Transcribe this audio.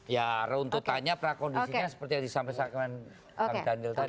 ya untuk tanya prakondisinya seperti yang disampaikan pak daniel tadi